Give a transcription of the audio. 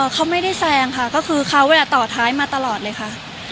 เขาไม่ได้แซงค่ะก็คือเขาต่อท้ายมาตลอดเลยค่ะ